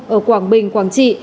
ở quảng bình quảng trị